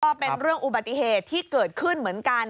ก็เป็นเรื่องอุบัติเหตุที่เกิดขึ้นเหมือนกัน